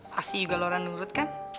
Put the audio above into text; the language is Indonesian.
pasti juga laura nurut kan